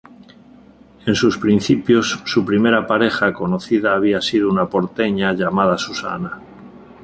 En sus principios, su primera pareja conocida había sido una porteña llamada Susana.